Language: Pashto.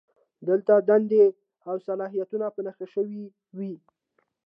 دلته دندې او صلاحیتونه په نښه شوي وي.